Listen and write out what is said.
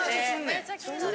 ・めっちゃ気になる。